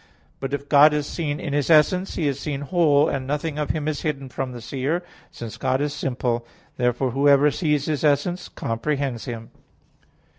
But if God is seen in His essence, He is seen whole, and nothing of Him is hidden from the seer, since God is simple. Therefore whoever sees His essence, comprehends Him.